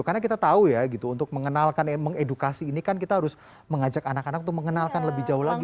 karena kita tahu ya gitu untuk mengenalkan mengedukasi ini kan kita harus mengajak anak anak untuk mengenalkan lebih jauh lagi